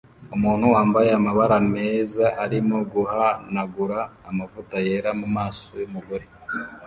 Umuntu wambaye amabara meza arimo guhanagura amavuta yera mumaso yumugore